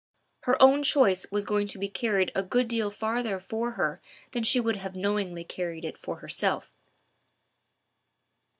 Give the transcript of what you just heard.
Her own choice was going to be carried a good deal farther for her than she would have knowingly carried it for herself.